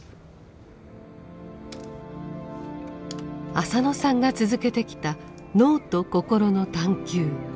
浅野さんが続けてきた脳と心の探求。